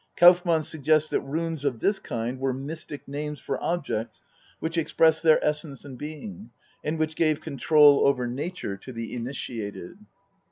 Kauffmann suggests that runes of this kind were mystic names for objects which expressed their essence and being, and which gave con trol over nature to the initiated.